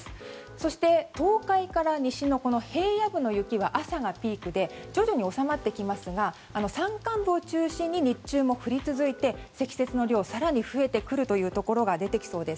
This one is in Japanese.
そして、東海から西の平野部の雪は朝がピークで徐々に収まってきますが山間部を中心に日中も降り続いて積雪の量が更に増えてくるというところが出てきそうです。